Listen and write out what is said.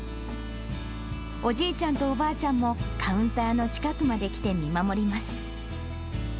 おじいちゃんとおばあちゃんも、カウンターの近くまで来て見守ります。